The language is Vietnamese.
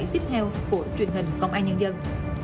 tiếp theo của truyền hình công an nhân dân